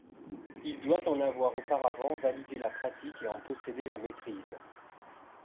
Il doit en avoir auparavant validé la pratique et en posséder la maîtrise.